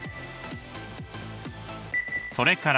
それから